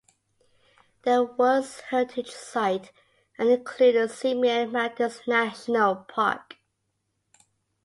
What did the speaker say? They are a World Heritage Site and include the Simien Mountains National Park.